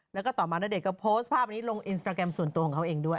แล้วก็ต่อมาณเดชนก็โพสต์ภาพนี้ลงอินสตราแกรมส่วนตัวของเขาเองด้วย